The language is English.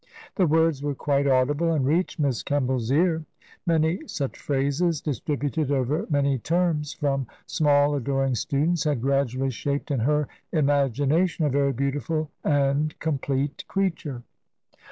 The words were quite audible and reached Miss Kembairs ear. Many such phrases, distributed over many terms, from small adoring students had gradually shaped in her imagination a very beautiful and complete creature.